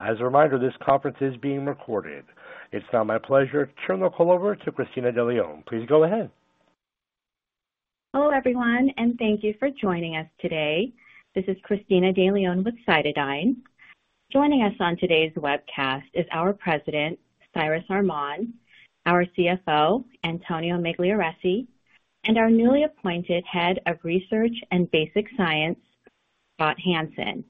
As a reminder, this conference is being recorded. It's now my pleasure to turn the call over to Cristina De Leon. Please go ahead. Hello, everyone, and thank you for joining us today. This is Cristina De Leon with CytoDyn. Joining us on today's webcast is our President, Cyrus Arman; our CFO, Antonio Migliarese, and our newly appointed Head of Research and Basic Science, Scott Hansen.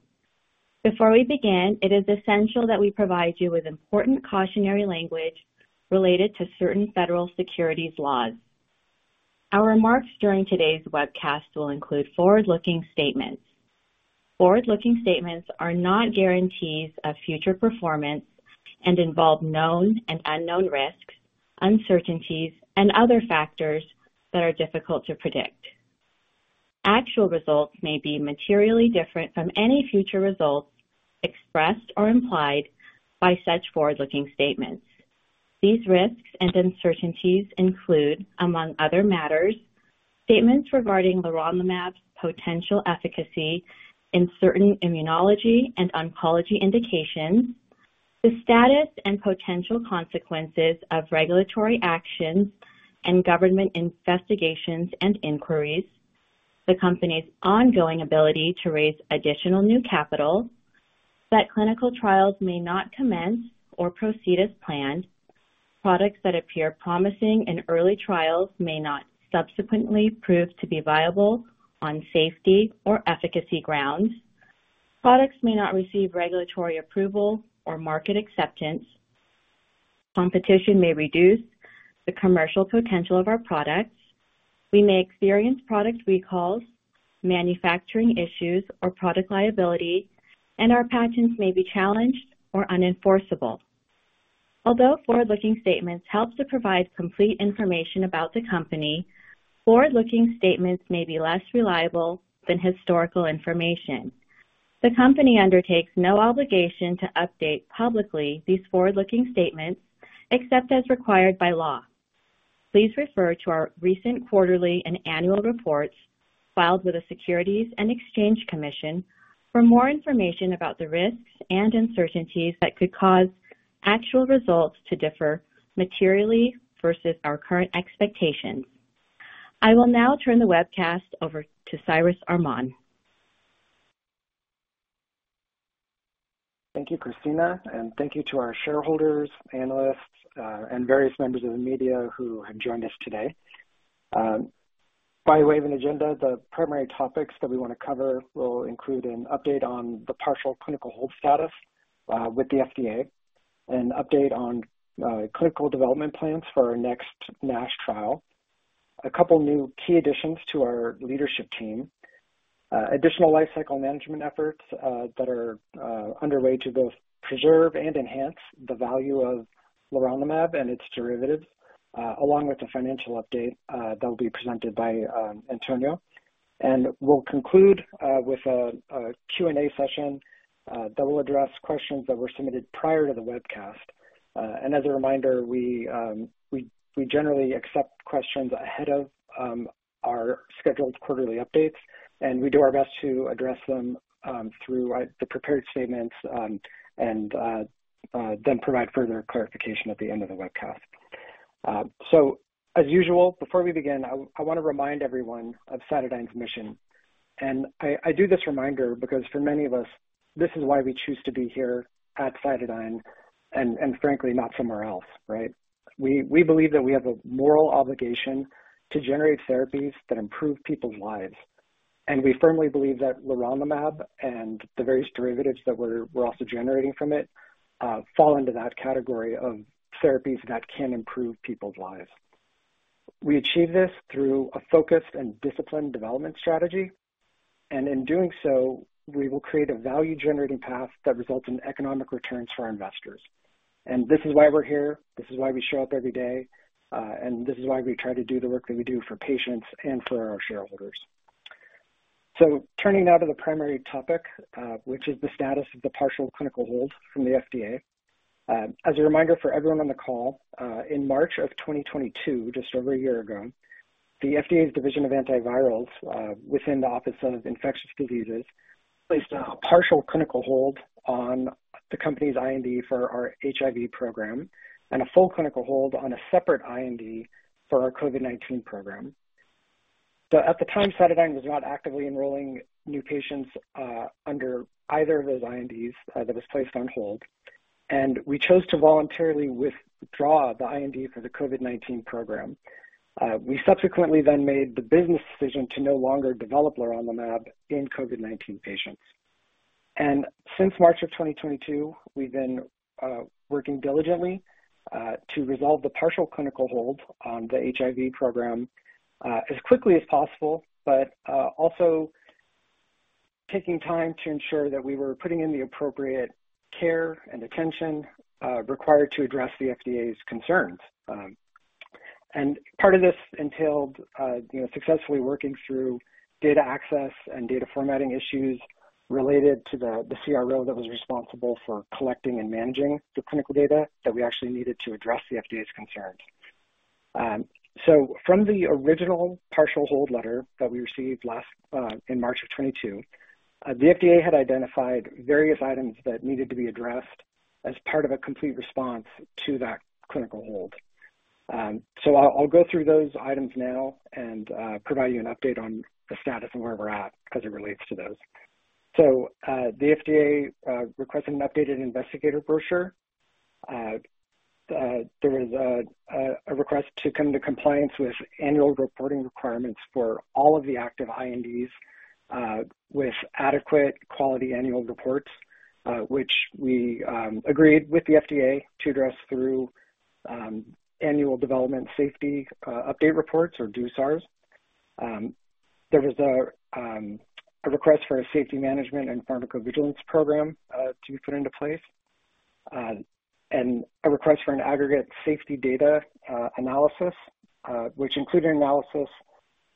Before we begin, it is essential that we provide you with important cautionary language related to certain federal securities laws. Our remarks during today's webcast will include forward-looking statements. Forward-looking statements are not guarantees of future performance and involve known and unknown risks, uncertainties, and other factors that are difficult to predict. Actual results may be materially different from any future results expressed or implied by such forward-looking statements. These risks and uncertainties include, among other matters, statements regarding leronlimab's potential efficacy in certain immunology and oncology indications, the status and potential consequences of regulatory actions and government investigations and inquiries, the company's ongoing ability to raise additional new capital. That clinical trials may not commence or proceed as planned. Products that appear promising in early trials may not subsequently prove to be viable on safety or efficacy grounds. Products may not receive regulatory approval or market acceptance. Competition may reduce the commercial potential of our products. We may experience product recalls, manufacturing issues, or product liability, and our patents may be challenged or unenforceable. Although forward-looking statements help to provide complete information about the company, forward-looking statements may be less reliable than historical information. The company undertakes no obligation to update publicly these forward-looking statements, except as required by law. Please refer to our recent quarterly and annual reports filed with the Securities and Exchange Commission for more information about the risks and uncertainties that could cause actual results to differ materially versus our current expectations. I will now turn the webcast over to Cyrus Arman. Thank you, Cristina, and thank you to our shareholders, analysts, and various members of the media who have joined us today. By way of an agenda, the primary topics that we wanna cover will include an update on the partial clinical hold status with the FDA. An update on clinical development plans for our next NASH trial. A couple of new key additions to our leadership team. Additional lifecycle management efforts that are underway to both preserve and enhance the value of leronlimab and its derivatives, along with the financial update that will be presented by Antonio. We'll conclude with a Q and A session that will address questions that were submitted prior to the webcast. As a reminder, we generally accept questions ahead of our scheduled quarterly updates, and we do our best to address them through the prepared statements, and then provide further clarification at the end of the webcast. As usual, before we begin, I wanna remind everyone of CytoDyn's mission. I do this reminder because for many of us, this is why we choose to be here at CytoDyn and frankly, not somewhere else, right? We believe that we have a moral obligation to generate therapies that improve people's lives. We firmly believe that leronlimab and the various derivatives that we're also generating from it, fall into that category of therapies that can improve people's lives. We achieve this through a focused and disciplined development strategy, and in doing so, we will create a value-generating path that results in economic returns for our investors. This is why we're here, this is why we show up every day, and this is why we try to do the work that we do for patients and for our shareholders. Turning now to the primary topic, which is the status of the partial clinical hold from the FDA. As a reminder for everyone on the call, in March of 2022, just over a year ago, the FDA's Division of Antivirals, within the Office of Infectious Diseases, placed on partial clinical hold on the company's IND for our HIV program and a full clinical hold on a separate IND for our COVID-19 program. At the time, CytoDyn was not actively enrolling new patients under either of those INDs, that was placed on hold, and we chose to voluntarily withdraw the IND for the COVID-19 program. We subsequently then made the business decision to no longer develop leronlimab in COVID-19 patients. Since March of 2022, we've been working diligently to resolve the partial clinical hold on the HIV program as quickly as possible, but also taking time to ensure that we were putting in the appropriate care and attention required to address the FDA's concerns. Part of this entailed, you know, successfully working through data access and data formatting issues related to the CRO that was responsible for collecting and managing the clinical data that we actually needed to address the FDA's concerns. From the original partial hold letter that we received last in March of 2022, the FDA had identified various items that needed to be addressed as part of a complete response to that clinical hold. I'll go through those items now and provide you an update on the status and where we're at as it relates to those. The FDA requested an updated investigator brochure. There was a request to come into compliance with annual reporting requirements for all of the active INDs, with adequate quality annual reports, which we agreed with the FDA to address through annual development safety update reports or DSURs. There was a request for a safety management and pharmacovigilance program to be put into place. A request for an aggregate safety data analysis, which included analysis of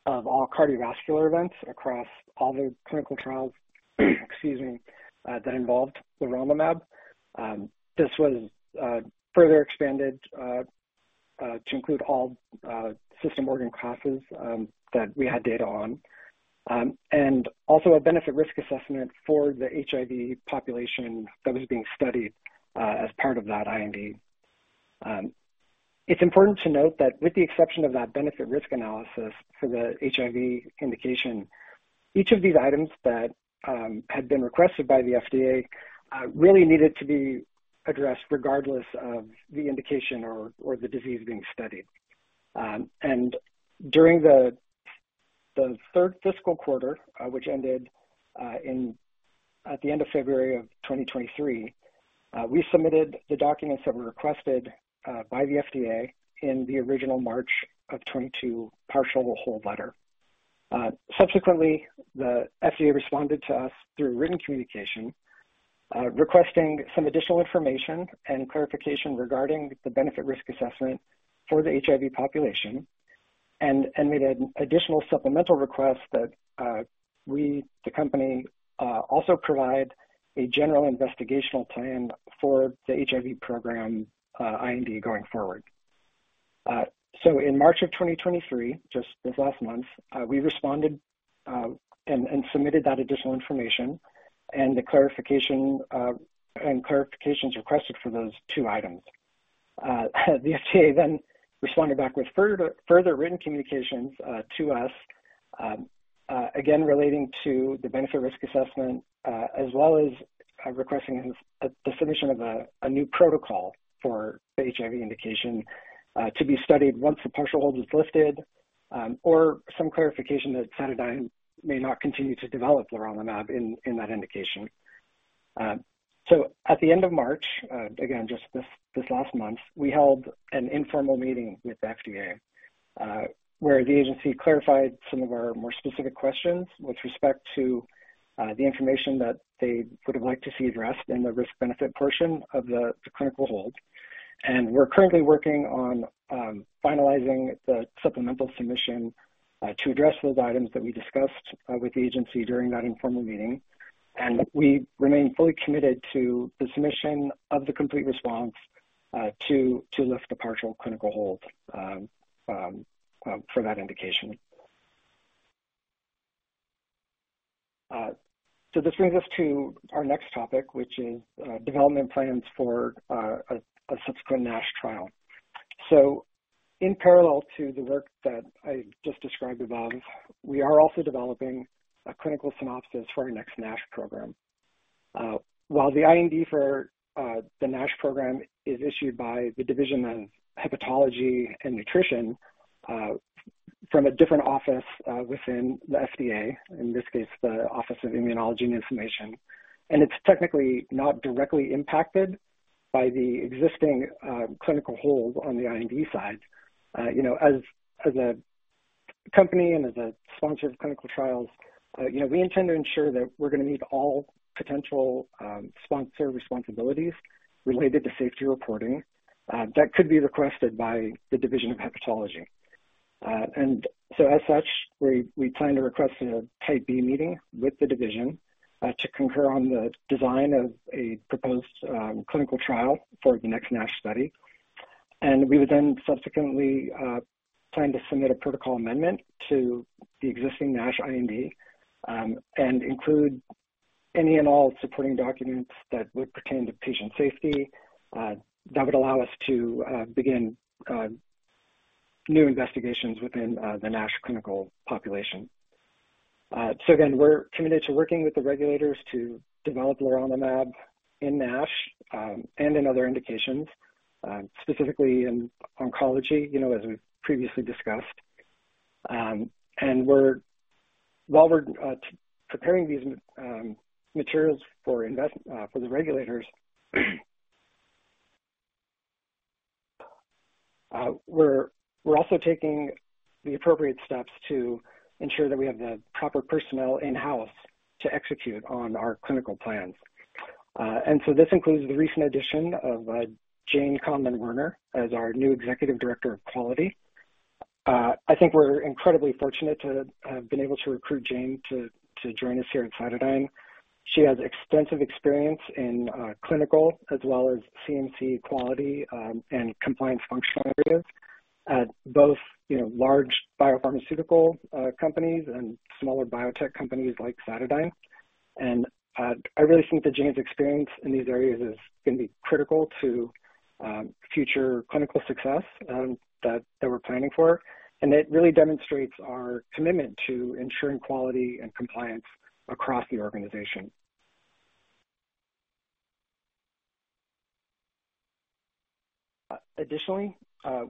all cardiovascular events across all the clinical trials, excuse me, that involved leronlimab. This was further expanded to include all system organ classes that we had data on. Also a benefit risk assessment for the HIV population that was being studied as part of that IND. It's important to note that with the exception of that benefit risk analysis for the HIV indication, each of these items that had been requested by the FDA really needed to be addressed regardless of the indication or the disease being studied. During the third fiscal quarter, which ended at the end of February of 2023, we submitted the documents that were requested by the FDA in the original March of 2022 partial hold letter. Subsequently, the FDA responded to us through written communication requesting some additional information and clarification regarding the benefit risk assessment for the HIV population and made an additional supplemental request that we, the company, also provide a general investigational plan for the HIV program IND going forward. In March of 2023, just this last month, we responded, and submitted that additional information and the clarification, and clarifications requested for those two items. The FDA responded back with further written communications to us, again, relating to the benefit risk assessment, as well as, requesting a submission of a new protocol for the HIV indication, to be studied once the partial hold is lifted, or some clarification that CytoDyn may not continue to develop leronlimab in that indication. At the end of March, again, just this last month, we held an informal meeting with the FDA, where the agency clarified some of our more specific questions with respect to the information that they would have liked to see addressed in the risk benefit portion of the clinical hold. We're currently working on finalizing the supplemental submission to address those items that we discussed with the agency during that informal meeting. We remain fully committed to the submission of the complete response to lift the partial clinical hold for that indication. This brings us to our next topic, which is development plans for a subsequent NASH trial. In parallel to the work that I just described above, we are also developing a clinical synopsis for our next NASH program. While the IND for the NASH program is issued by the Division of Hepatology and Nutrition, from a different office within the FDA, in this case, the Office of Immunology and Inflammation, and it's technically not directly impacted by the existing clinical hold on the IND side. You know, as a company and as a sponsor of clinical trials, you know, we intend to ensure that we're gonna meet all potential sponsor responsibilities related to safety reporting that could be requested by the Division of Hepatology. As such, we plan to request a Type B meeting with the division to concur on the design of a proposed clinical trial for the next NASH study. We would then subsequently plan to submit a protocol amendment to the existing NASH IND and include any and all supporting documents that would pertain to patient safety that would allow us to begin new investigations within the NASH clinical population. Again, we're committed to working with the regulators to develop leronlimab in NASH, and in other indications, specifically in oncology, you know, as we've previously discussed. While we're preparing these materials for the regulators, we're also taking the appropriate steps to ensure that we have the proper personnel in-house to execute on our clinical plans. This includes the recent addition of Jane Convery-Werner as our new Executive Director of Quality. I think we're incredibly fortunate to have been able to recruit Jane to join us here at CytoDyn. She has extensive experience in clinical as well as CMC quality, and compliance functional areas at both, you know, large biopharmaceutical companies and smaller biotech companies like CytoDyn. I really think that Jane's experience in these areas is going to be critical to future clinical success that we're planning for. It really demonstrates our commitment to ensuring quality and compliance across the organization. Additionally,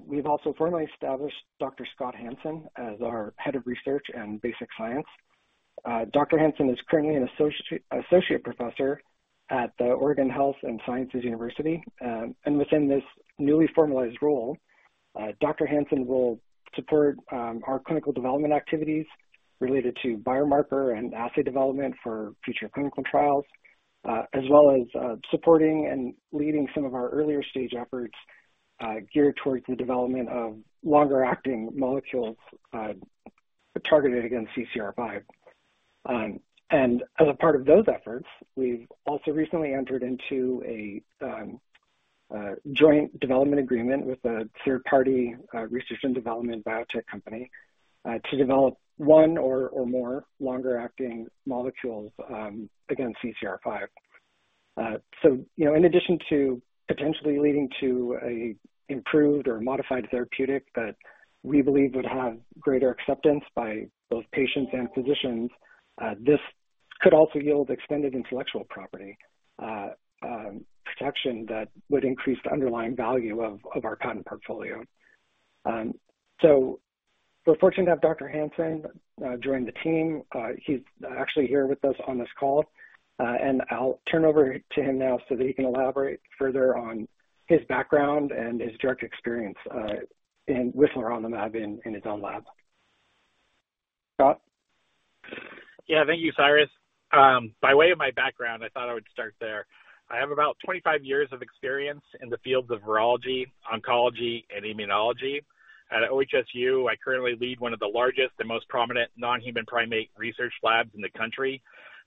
we've also formally established Dr. Scott Hansen as our head of research and basic science. Dr. Hansen is currently an associate professor at the Oregon Health & Science University. Within this newly formalized role, Dr. Hansen will support our clinical development activities related to biomarker and assay development for future clinical trials, as well as supporting and leading some of our earlier stage efforts geared towards the development of longer-acting molecules targeted against CCR5. As a part of those efforts, we've also recently entered into a joint development agreement with a third-party research and development biotech company to develop one or more longer-acting molecules against CCR5. You know, in addition to potentially leading to a improved or modified therapeutic that we believe would have greater acceptance by both patients and physicians, this could also yield extended intellectual property protection that would increase the underlying value of our cotton portfolio. We're fortunate to have Dr. Hansen join the team. He's actually here with us on this call. I'll turn over to him now so that he can elaborate further on his background and his direct experience with leronlimab in his own lab. Scott? Yeah. Thank you, Cyrus. By way of my background, I thought I would start there. I have about 25 years of experience in the fields of virology, oncology, and immunology. At OHSU, I currently lead one of the largest and most prominent non-human primate research labs in the country.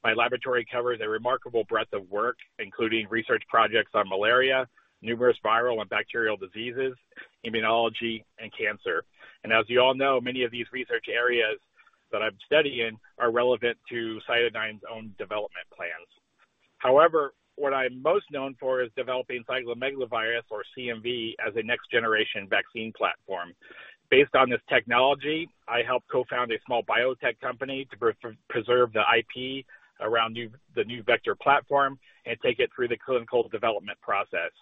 My laboratory covers a remarkable breadth of work, including research projects on malaria, numerous viral and bacterial diseases, immunology, and cancer. As you all know, many of these research areas that I'm studying are relevant to CytoDyn's own development plans. However, what I'm most known for is developing cytomegalovirus, or CMV, as a next-generation vaccine platform. Based on this technology, I helped co-found a small biotech company to pre-preserve the IP around the new vector platform and take it through the clinical development process.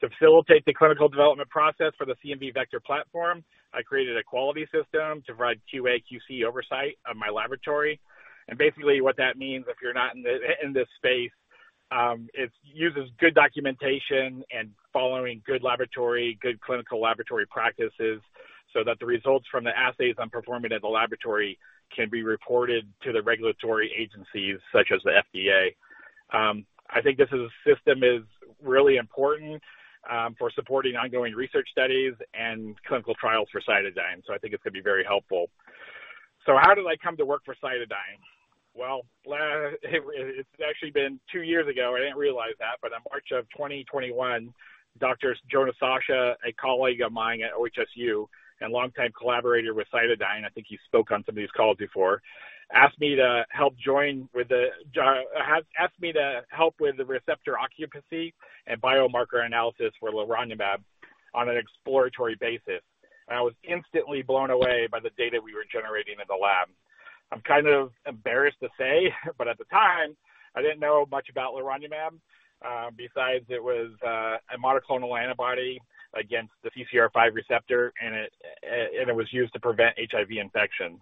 To facilitate the clinical development process for the CMV vector platform, I created a quality system to provide QA/QC oversight of my laboratory. Basically what that means, if you're not in this space, it uses good documentation and following good laboratory, good clinical laboratory practices so that the results from the assays I'm performing at the laboratory can be reported to the regulatory agencies such as the FDA. I think this is a system is really important for supporting ongoing research studies and clinical trials for CytoDyn. I think it's gonna be very helpful. How did I come to work for CytoDyn? Well, it's actually been two years ago. I didn't realize that. In March of 2021, Dr. Jonah Sacha, a colleague of mine at OHSU and longtime collaborator with CytoDyn, I think he spoke on some of these calls before, asked me to help with the receptor occupancy and biomarker analysis for leronlimab on an exploratory basis. I was instantly blown away by the data we were generating in the lab. I'm kind of embarrassed to say, but at the time, I didn't know much about leronlimab besides it was a monoclonal antibody against the CCR5 receptor, and it was used to prevent HIV infection.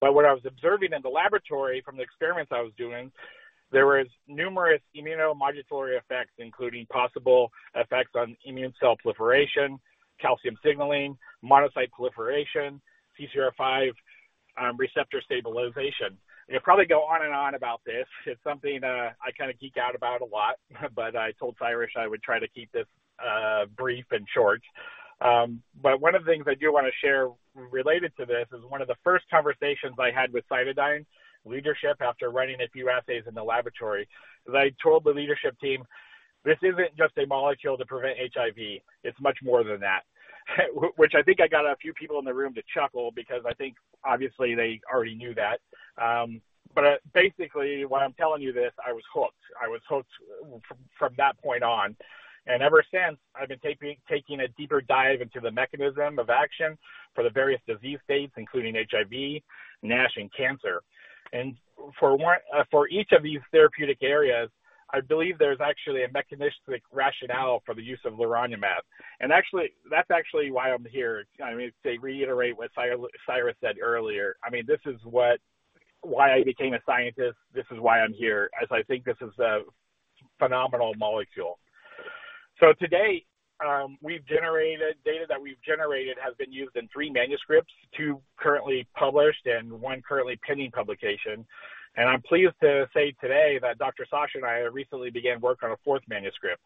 What I was observing in the laboratory from the experiments I was doing, there was numerous immunomodulatory effects, including possible effects on immune cell proliferation, calcium signaling, monocyte proliferation, CCR5 receptor stabilization. I could probably go on and on about this. It's something, I kind of geek out about a lot, but I told Cyrus I would try to keep this brief and short. One of the things I do want to share related to this is one of the first conversations I had with CytoDyn leadership after running a few assays in the laboratory. As I told the leadership team, "This isn't just a molecule to prevent HIV, it's much more than that." Which I think I got a few people in the room to chuckle because I think obviously they already knew that. Basically why I'm telling you this, I was hooked. I was hooked from that point on. Ever since, I've been taking a deeper dive into the mechanism of action for the various disease states, including HIV, NASH, and cancer. For each of these therapeutic areas, I believe there's actually a mechanistic rationale for the use of leronlimab. That's actually why I'm here. I mean, to reiterate what Cyrus said earlier, I mean, this is why I became a scientist. This is why I'm here, as I think this is a phenomenal molecule. To date, data that we've generated has been used in three manuscripts, two currently published and one currently pending publication. I'm pleased to say today that Dr. Sacha and I recently began work on a fourth manuscript.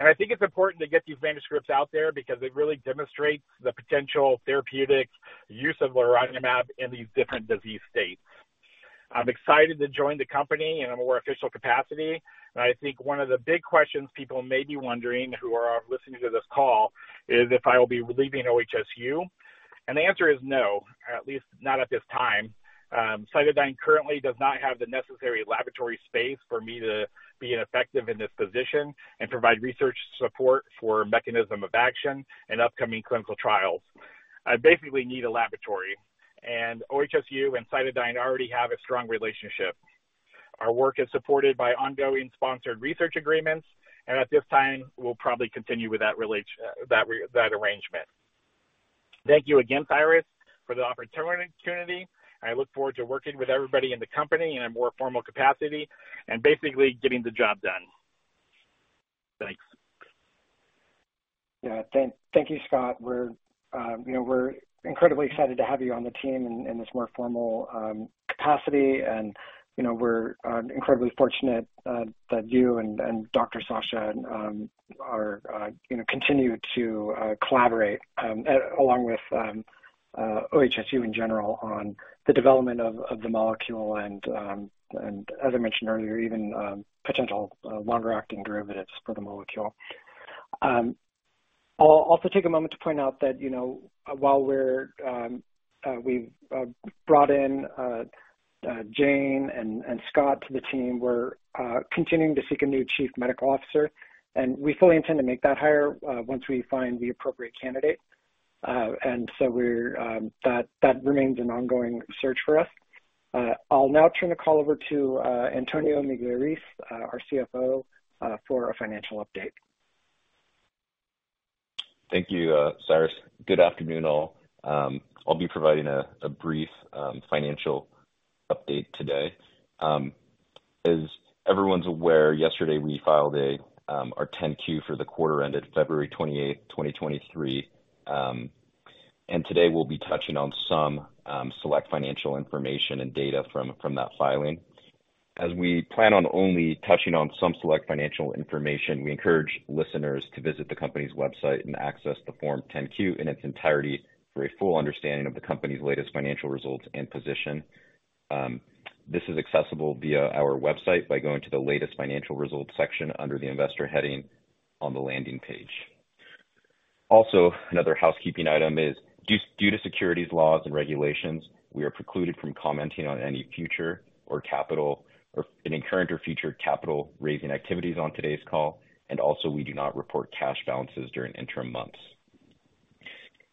I think it's important to get these manuscripts out there because it really demonstrates the potential therapeutic use of leronlimab in these different disease states. I'm excited to join the company in a more official capacity. I think one of the big questions people may be wondering who are listening to this call is if I will be leaving OHSU. The answer is no, at least not at this time. CytoDyn currently does not have the necessary laboratory space for me to be effective in this position and provide research support for mechanism of action and upcoming clinical trials. I basically need a laboratory. OHSU and CytoDyn already have a strong relationship. Our work is supported by ongoing sponsored research agreements. At this time, we'll probably continue with that arrangement. Thank you again, Cyrus, for the opportunity. I look forward to working with everybody in the company in a more formal capacity and basically getting the job done. Thanks. Yeah. Thank you, Scott. We're, you know, we're incredibly excited to have you on the team in this more formal capacity. You know, we're incredibly fortunate that you and Dr. Sacha are, you know, continue to collaborate along with OHSU in general on the development of the molecule and as I mentioned earlier, even potential longer acting derivatives for the molecule. I'll also take a moment to point out that, you know, while we're we've brought in Jane and Scott to the team, we're continuing to seek a new chief medical officer, and we fully intend to make that hire once we find the appropriate candidate. We're that remains an ongoing search for us. I'll now turn the call over to Antonio Migliarese, our CFO, for a financial update. Thank you, Cyrus. Good afternoon all. I'll be providing a brief financial update today. As everyone's aware, yesterday we filed our 10-Q for the quarter ended February 28, 2023. Today we'll be touching on some select financial information and data from that filing. As we plan on only touching on some select financial information, we encourage listeners to visit the company's website and access the form 10-Q in its entirety for a full understanding of the company's latest financial results and position. This is accessible via our website by going to the latest financial results section under the investor heading on the landing page. Another housekeeping item is due to securities laws and regulations, we are precluded from commenting on any current or future capital raising activities on today's call. We do not report cash balances during interim months.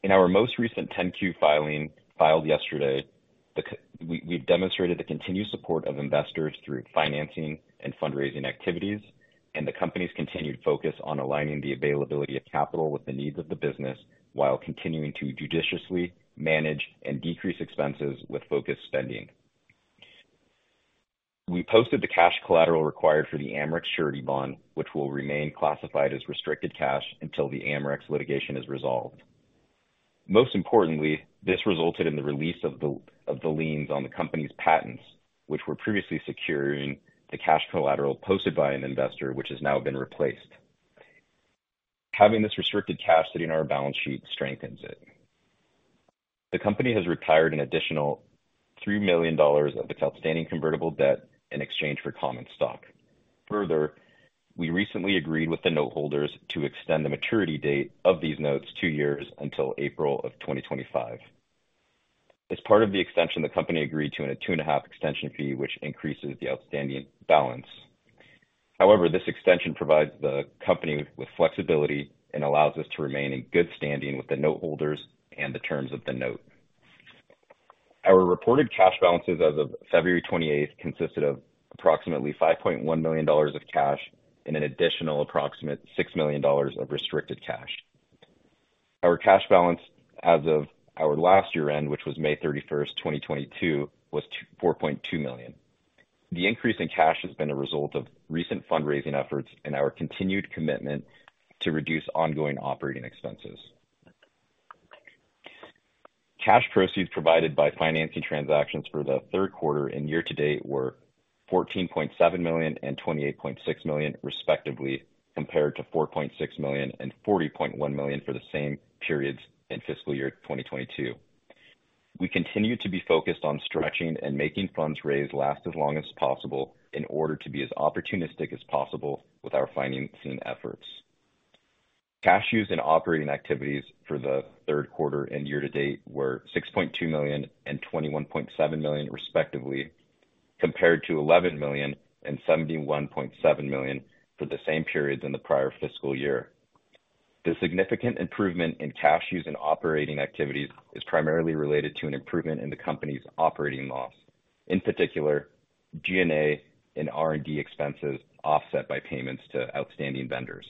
In our most recent 10-Q filing filed yesterday, we've demonstrated the continued support of investors through financing and fundraising activities and the company's continued focus on aligning the availability of capital with the needs of the business while continuing to judiciously manage and decrease expenses with focused spending. We posted the cash collateral required for the Amrex surety bond, which will remain classified as restricted cash until the Amrex litigation is resolved. Most importantly, this resulted in the release of the liens on the company's patents, which were previously securing the cash collateral posted by an investor, which has now been replaced. Having this restricted cash sitting on our balance sheet strengthens it. The company has retired an additional $3 million of its outstanding convertible debt in exchange for common stock. We recently agreed with the note holders to extend the maturity date of these notes two years until April of 2025. As part of the extension, the company agreed to a 2.5 extension fee, which increases the outstanding balance. This extension provides the company with flexibility and allows us to remain in good standing with the note holders and the terms of the note. Our reported cash balances as of February 28th consisted of approximately $5.1 million of cash and an additional approximate $6 million of restricted cash. Our cash balance as of our last year-end, which was May 31, 2022, was $4.2 million. The increase in cash has been a result of recent fundraising efforts and our continued commitment to reduce ongoing operating expenses. Cash proceeds provided by financing transactions for the third quarter and year-to-date were $14.7 million and $28.6 million, respectively, compared to $4.6 million and $40.1 million for the same periods in fiscal year 2022. We continue to be focused on stretching and making funds raised last as long as possible in order to be as opportunistic as possible with our financing efforts. Cash use in operating activities for the third quarter and year to date were $6.2 million and $21.7 million, respectively, compared to $11 million and $71.7 million for the same periods in the prior fiscal year. The significant improvement in cash use in operating activities is primarily related to an improvement in the company's operating loss. In particular, G&A and R&D expenses offset by payments to outstanding vendors.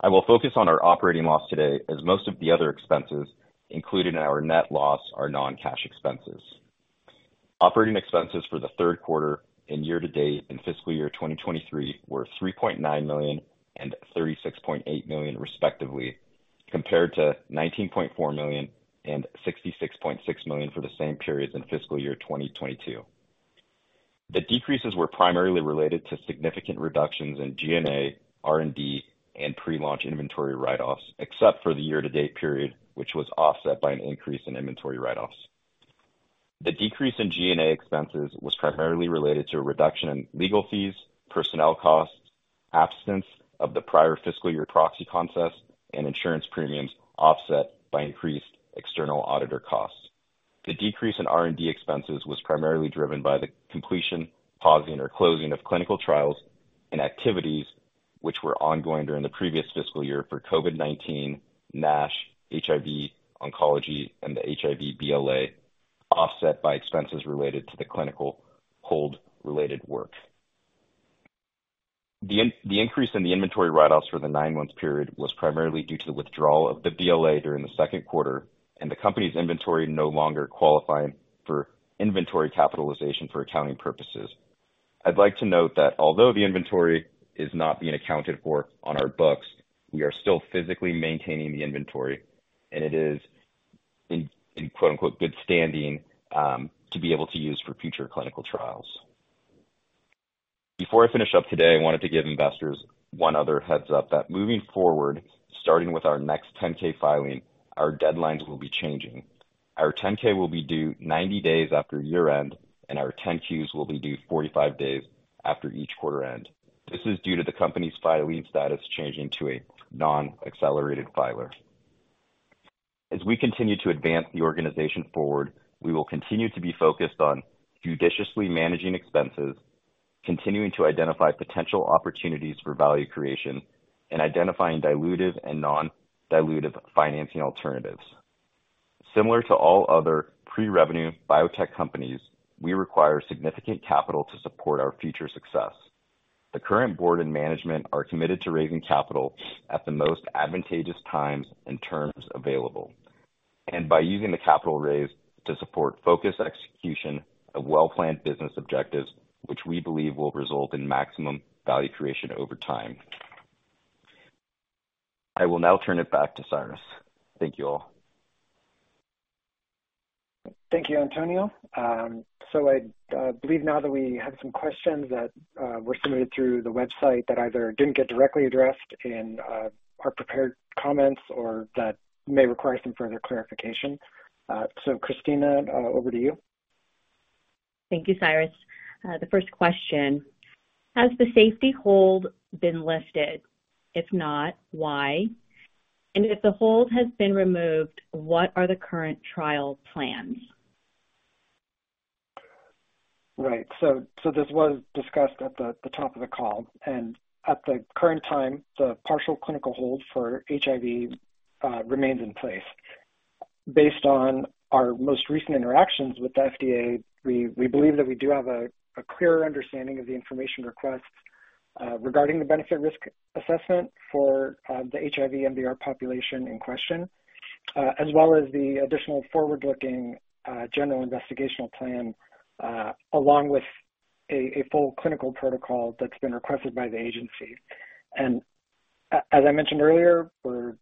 I will focus on our operating loss today as most of the other expenses included in our net loss are non-cash expenses. Operating expenses for the third quarter and year-to-date in fiscal year 2023 were $3.9 million and $36.8 million, respectively, compared to $19.4 million and $66.6 million for the same periods in fiscal year 2022. The decreases were primarily related to significant reductions in G&A, R&D, and pre-launch inventory write-offs, except for the year-to-date period, which was offset by an increase in inventory write-offs. The decrease in G&A expenses was primarily related to a reduction in legal fees, personnel costs, absence of the prior fiscal year proxy contest, and insurance premiums offset by increased external auditor costs. The decrease in R&D expenses was primarily driven by the completion, pausing, or closing of clinical trials and activities which were ongoing during the previous fiscal year for COVID-19, NASH, HIV, oncology, and the HIV BLA, offset by expenses related to the clinical hold related work. The increase in the inventory write-offs for the nine-month period was primarily due to the withdrawal of the BLA during the second quarter and the company's inventory no longer qualifying for inventory capitalization for accounting purposes. I'd like to note that although the inventory is not being accounted for on our books, we are still physically maintaining the inventory, and it is in quote-unquote good standing to be able to use for future clinical trials. Before I finish up today, I wanted to give investors one other heads up that moving forward, starting with our next 10-K filing, our deadlines will be changing. Our 10-K will be due 90 days after year-end, and our 10-Qs will be due 45 days after each quarter end. This is due to the company's filing status changing to a non-accelerated filer. As we continue to advance the organization forward, we will continue to be focused on judiciously managing expenses, continuing to identify potential opportunities for value creation, and identifying dilutive and non-dilutive financing alternatives. Similar to all other pre-revenue biotech companies, we require significant capital to support our future success. The current board and management are committed to raising capital at the most advantageous times and terms available, and by using the capital raise to support focused execution of well-planned business objectives, which we believe will result in maximum value creation over time. I will now turn it back to Cyrus. Thank you all. Thank you, Antonio. I believe now that we have some questions that were submitted through the website that either didn't get directly addressed in our prepared comments or that may require some further clarification. Cristina, over to you. Thank you, Cyrus. The first question. Has the safety hold been lifted? If not, why? If the hold has been removed, what are the current trial plans? Right. This was discussed at the top of the call. At the current time, the partial clinical hold for HIV remains in place. Based on our most recent interactions with the FDA, we believe that we do have a clearer understanding of the information requests regarding the benefit risk assessment for the HIV MDR population in question, as well as the additional forward-looking general investigational plan, along with a full clinical protocol that's been requested by the agency. As I mentioned earlier, we're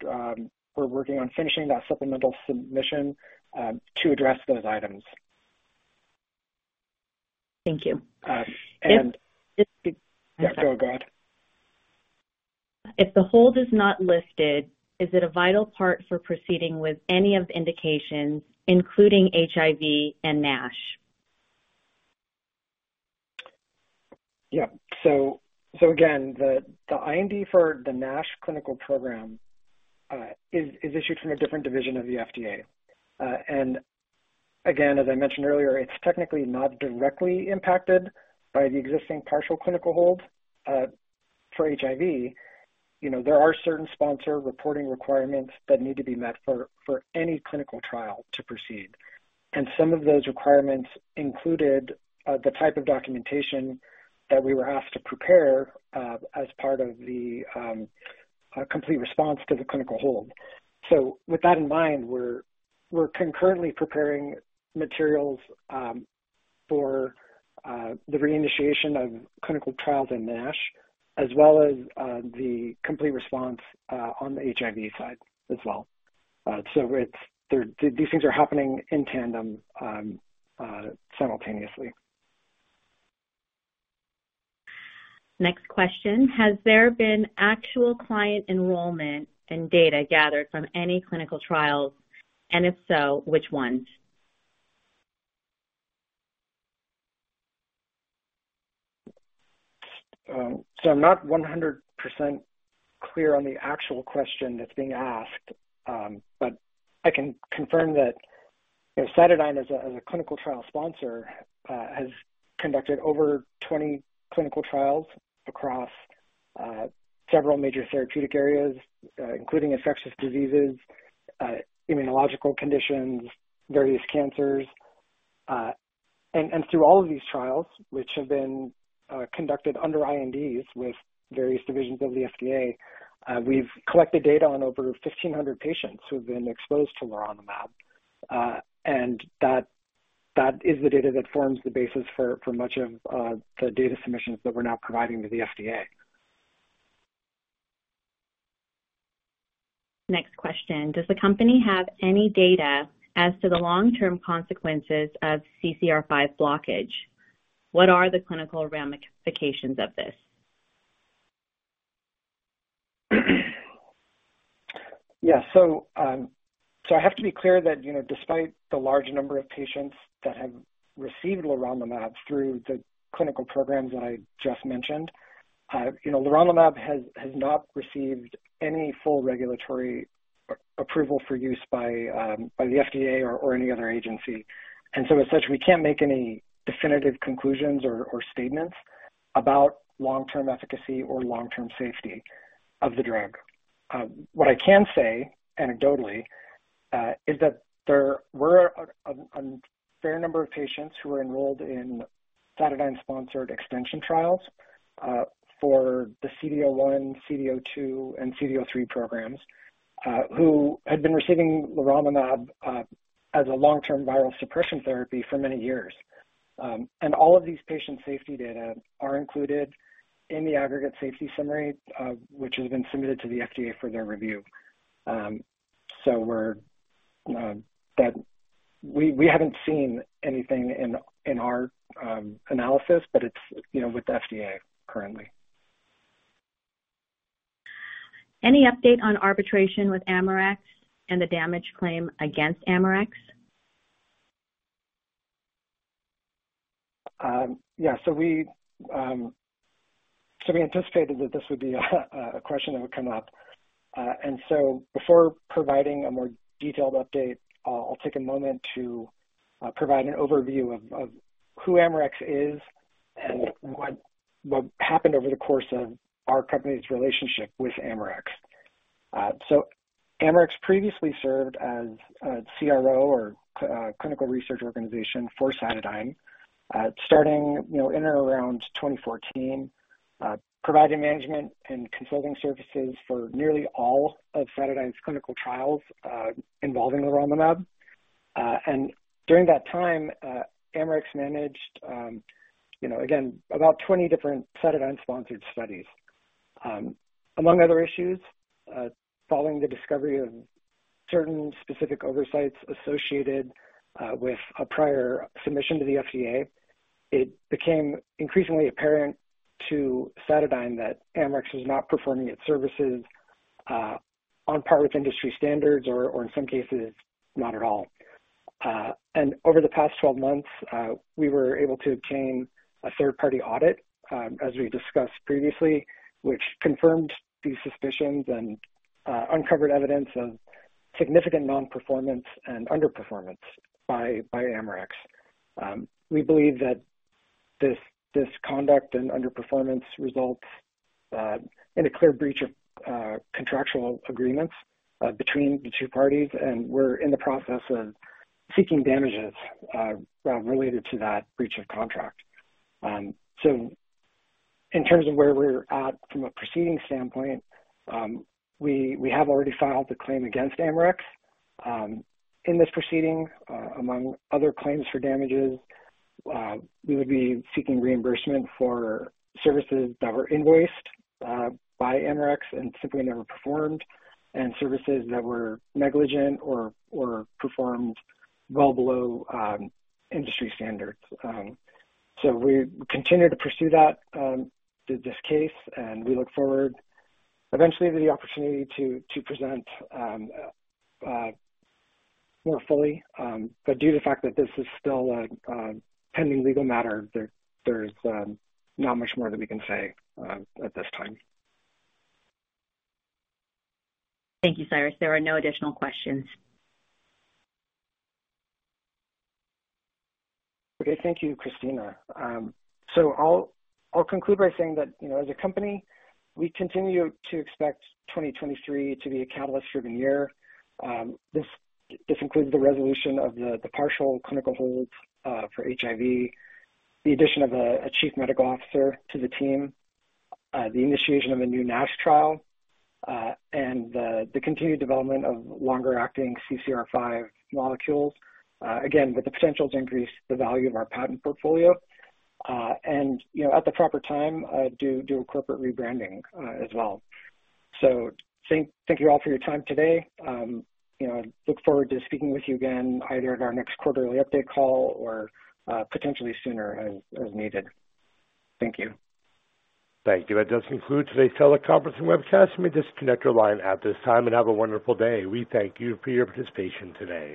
working on finishing that supplemental submission to address those items. Thank you. Uh, and- If, if- Yeah, go ahead. If the hold is not lifted, is it a vital part for proceeding with any of the indications, including HIV and NASH? Yeah. Again, the IND for the NASH clinical program is issued from a different division of the FDA. Again, as I mentioned earlier, it's technically not directly impacted by the existing partial clinical hold for HIV. You know, there are certain sponsor reporting requirements that need to be met for any clinical trial to proceed. Some of those requirements included the type of documentation that we were asked to prepare as part of the complete response to the clinical hold. With that in mind, we're concurrently preparing materials for the reinitiation of clinical trials in NASH, as well as the complete response on the HIV side as well. These things are happening in tandem simultaneously. Next question. Has there been actual client enrollment and data gathered from any clinical trials? If so, which ones? I'm not 100% clear on the actual question that's being asked. I can confirm that, you know, CytoDyn as a clinical trial sponsor, has conducted over 20 clinical trials across several major therapeutic areas, including infectious diseases, immunological conditions, various cancers. Through all of these trials, which have been conducted under INDs with various divisions of the FDA, we've collected data on over 1,500 patients who have been exposed to leronlimab, and that is the data that forms the basis for much of the data submissions that we're now providing to the FDA. Next question. Does the company have any data as to the long-term consequences of CCR5 blockage? What are the clinical ramifications of this? Yes. I have to be clear that, you know, despite the large number of patients that have received leronlimab through the clinical programs that I just mentioned, you know, leronlimab has not received any full regulatory approval for use by the FDA or any other agency. As such, we can't make any definitive conclusions or statements about long-term efficacy or long-term safety of the drug. What I can say anecdotally is that there were a fair number of patients who were enrolled in CytoDyn-sponsored extension trials for the CD01, CD02, and CD03 programs who had been receiving leronlimab as a long-term viral suppression therapy for many years. All of these patient safety data are included in the aggregate safety summary, which has been submitted to the FDA for their review. We haven't seen anything in our analysis, but it's, you know, with the FDA currently. Any update on arbitration with Amarex and the damage claim against Amarex? We anticipated that this would be a question that would come up. Before providing a more detailed update, I'll take a moment to provide an overview of who Amarex is and what happened over the course of our company's relationship with Amarex. Amarex previously served as a CRO or clinical research organization for Satyne, starting, you know, in around 2014, providing management and consulting services for nearly all of Satyne's clinical trials, involving leronlimab. During that time, Amarex managed, you know, again, about 20 different Satyne-sponsored studies. Among other issues, following the discovery of certain specific oversights associated with a prior submission to the FDA, it became increasingly apparent to Satyne that Amarex was not performing its services on par with industry standards or in some cases, not at all. Over the past 12 months, we were able to obtain a third-party audit, as we discussed previously, which confirmed these suspicions and uncovered evidence of significant non-performance and underperformance by Amarex. We believe that this conduct and underperformance results in a clear breach of contractual agreements between the two parties, and we're in the process of seeking damages related to that breach of contract. In terms of where we're at from a proceedings standpoint, we have already filed the claim against Amarex. In this proceeding, among other claims for damages, we would be seeking reimbursement for services that were invoiced by Amarex and simply never performed and services that were negligent or performed well below industry standards. We continue to pursue that through this case, and we look forward eventually to the opportunity to present more fully. Due to the fact that this is still a pending legal matter, there's not much more that we can say at this time. Thank you, Cyrus. There are no additional questions. Okay. Thank you, Cristina. I'll conclude by saying that, you know, as a company, we continue to expect 2023 to be a catalyst for the year. This includes the resolution of the partial clinical hold for HIV, the addition of a Chief Medical Officer to the team, the initiation of a new NASH trial, and the continued development of longer-acting CCR5 molecules, again, with the potential to increase the value of our patent portfolio, and, you know, at the proper time, do a corporate rebranding as well. Thank you all for your time today. You know, look forward to speaking with you again either at our next quarterly update call or potentially sooner as needed. Thank you. Thank you. That does conclude today's teleconference and webcast. You may disconnect your line at this time and have a wonderful day. We thank you for your participation today.